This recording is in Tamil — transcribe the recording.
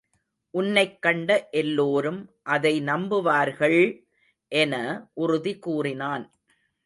உன்னைக் கண்ட எல்லோரும் அதை நம்புவார்கள்! என உறுதி கூறினான்.